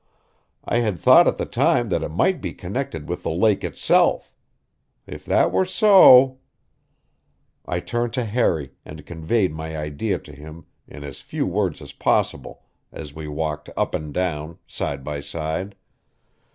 I had thought at the time that it might be connected with the lake itself. If that were so I turned to Harry and conveyed my idea to him in as few words as possible as we walked up and down, side by side.